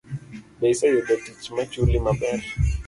Be iseyudo tich machuli maber?